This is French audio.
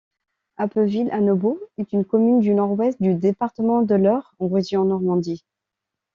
Appeville-Annebault est une commune du Nord-Ouest du département de l'Eure en région Normandie.